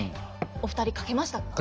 お二人書けましたか。